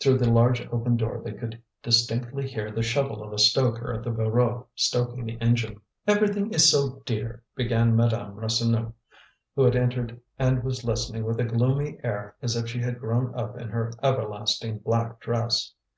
Through the large open door they could distinctly hear the shovel of a stoker at the Voreux stoking the engine. "Everything is so dear!" began Madame Rasseneur, who had entered and was listening with a gloomy air as if she had grown up in her everlasting black dress.